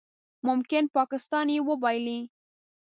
ممکن پاکستان یې وبایلي